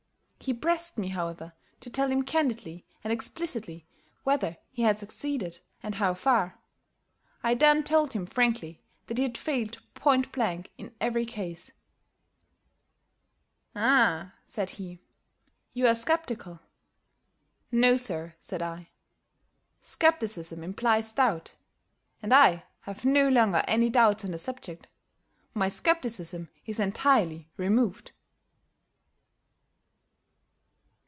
He pressed me, however, to tell him candidly and explicitly whether he had succeeded, and how far. I then told him frankly that he had failed point blank in every case. "Ah," said he, "you are skeptical." "No, sir," said I, "skepticism implies doubt, and I have no longer any doubts on the subject. _My skepticism is entirely removed!